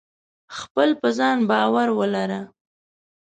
خپل په ځان باور ولره !